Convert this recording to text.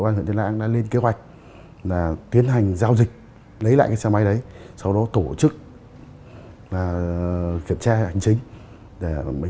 ngon điện lạng là lên kế hoạch một cây bóng hay